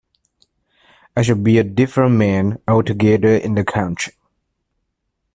I shall be a different man altogether in the country.